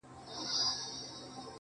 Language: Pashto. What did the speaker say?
نو ځکه هغه ته پرده وايو.